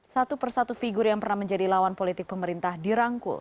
satu persatu figur yang pernah menjadi lawan politik pemerintah dirangkul